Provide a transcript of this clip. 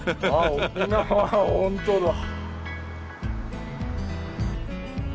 本当だ。